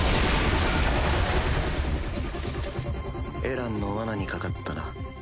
エランの罠に掛かったな。